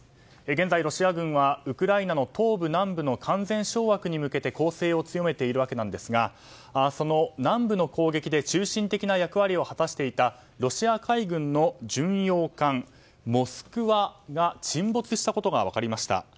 現在、ロシア軍はウクライナの東部、南部の完全掌握に向けて攻勢を強めているわけですがその南部の攻撃で中心的な役割を果たしていたロシア海軍の巡洋艦「モスクワ」が沈没したことが分かりました。